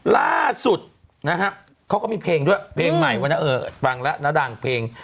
ล่าสุดนะฮะเขาก็มีเพลงด้วยเพลงใหม่วันนั้นเออฟังแล้วนะดังเพลง